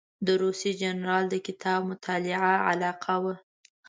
د روسي جنرال د کتاب مطالعه علاقه وه.